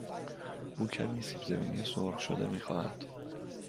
او کمی سیب زمینی سرخ شده می خواهد.